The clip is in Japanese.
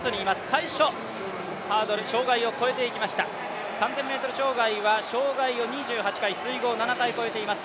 最初、ハードル障害を越えていきました、３０００ｍ障害、障害を２８回水濠を７回越えています。